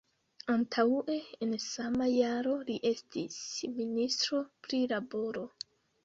Antaŭe en sama jaro li estis ministro pri laboro.